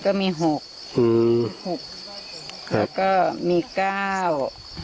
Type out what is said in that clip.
จะก็มีก้าว